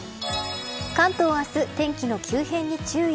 関東は明日天気の急変に注意。